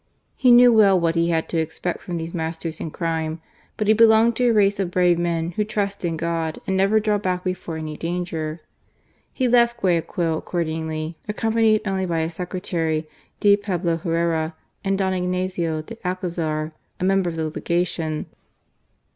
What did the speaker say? He knew well what he had to expect from t^ese masters in crime ; but he belonged to a race ctf bxave men who trust in God and never draw back before any dangen He left Guayaquil aa:ordingly, accompanied only by his secretary, D. Pablo Herreraj and Don I^azio de Alcazar, a member of the Legation.